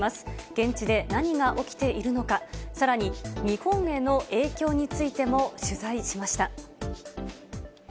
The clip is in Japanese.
現地で何が起きているのか、さらに日本への影響についても取材しました。